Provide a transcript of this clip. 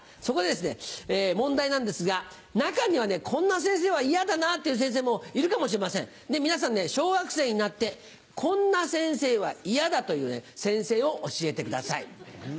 そこで問題なんですが中にはこんな先生は嫌だなっていう先生もいるかもしれません皆さん小学生になってこんな先生は嫌だという先生を教えてください。